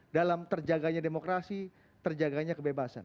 dalam terjaganya demokrasi terjaganya kebebasan